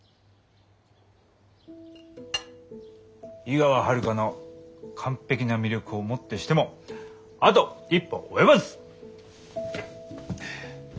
井川遥の完璧な魅力をもってしてもあと一歩及ばず！